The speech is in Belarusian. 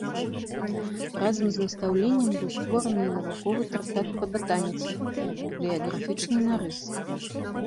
Разам з настаўленнем быў створаны і навуковы трактат па батаніцы, бібліяграфічны нарыс.